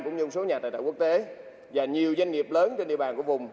cũng như một số nhà tài tạo quốc tế và nhiều doanh nghiệp lớn trên địa bàn của vùng